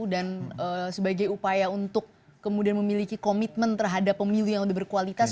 dan sebagai upaya untuk kemudian memiliki komitmen terhadap pemilih yang lebih berkualitas